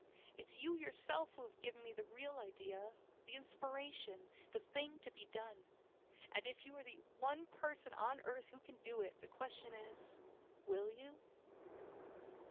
It's you yourself who has given me the real idea the inspiration: the thing to be done. And if you are the one person on earth who can do it, the question is will you?"